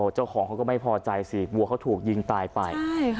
เจ้าของเขาก็ไม่พอใจสิวัวเขาถูกยิงตายไป